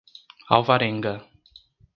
Alvarenga